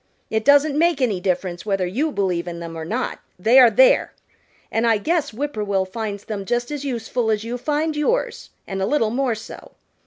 It doesn't make any difference whether you believe in them or not, they are there. And I guess Whip poor will finds them just as useful as you find yours, and a little more so.